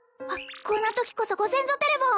こんな時こそご先祖テレフォン